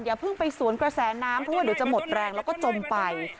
อย่าเพิ่งไปสวนกระแสน้ำเพราะว่าเดี๋ยวจะหมดแรงแล้วก็จมไป